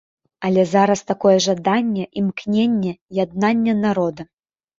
Але зараз такое жаданне, імкненне, яднанне народа.